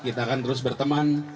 kita akan terus berteman